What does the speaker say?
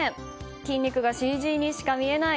筋肉がＣＧにしか見えない。